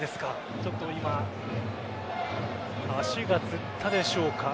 ちょっと今足がつったでしょうか。